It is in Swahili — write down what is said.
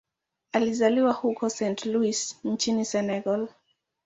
Alizaliwa huko Saint-Louis nchini Senegal.